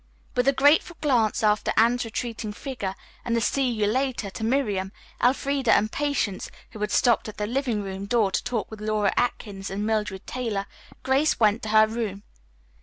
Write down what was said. With a grateful glance after Anne's retreating figure and a "see you later" to Miriam, Elfreda and Patience, who had stopped at the living room door to talk with Laura Atkins and Mildred Taylor, Grace went to her room.